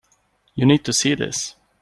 You need to see this.